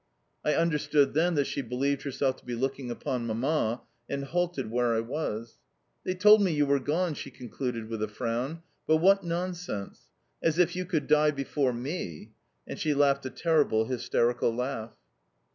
I understood then that she believed herself to be looking upon Mamma, and halted where I was. "They told me you were gone," she concluded with a frown; "but what nonsense! As if you could die before ME!" and she laughed a terrible, hysterical laugh.